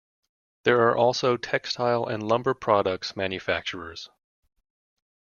There are also textile and lumber products manufacturers.